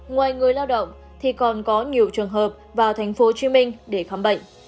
ngoài người lao động thì còn có nhiều trường hợp vào tp hcm để khám bệnh